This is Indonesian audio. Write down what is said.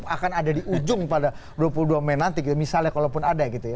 akan ada di ujung pada dua puluh dua mei nanti misalnya kalaupun ada gitu ya